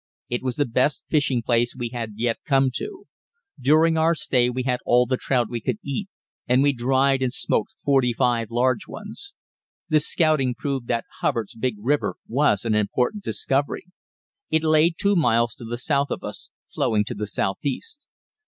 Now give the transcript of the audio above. It was the best fishing place we had yet come to. During our stay we had all the trout we could eat, and we dried and smoked forty five large ones. The scouting proved that Hubbard's "big river" was an important discovery. It lay two miles to the south of us, flowing to the southeast.